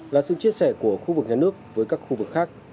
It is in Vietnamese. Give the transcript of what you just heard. là sự chia sẻ của khu vực nhà nước với các khu vực khác